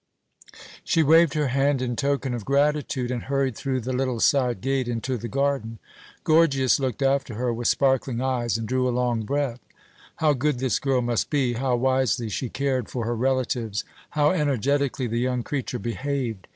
She waved her hand in token of gratitude, and hurried through the little side gate into the garden. Gorgias looked after her with sparkling eyes, and drew a long breath. How good this girl must be, how wisely she cared for her relatives! How energetically the young creature behaved!